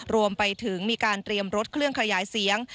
รวมไปถึงมีการเตรียมรถเครื่องขยายเสียง